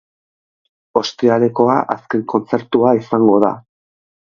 Ostiralekoa azken kontzertua izango da.